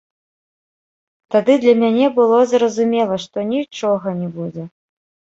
Тады для мяне было зразумела, што нічога не будзе.